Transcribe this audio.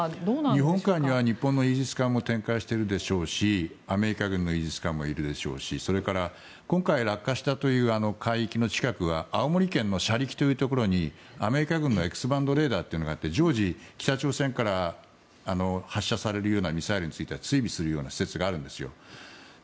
日本海には日本のイージス艦も展開しているでしょうしアメリカ軍のイージス艦もいるでしょうし今回、落下したという海域の近くには青森県のシャリキというところにアメリカ軍の常時、北朝鮮から発射されるようなミサイルについては追尾するような施設があるんですよ。